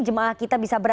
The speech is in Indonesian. jemaah kita bisa berhasil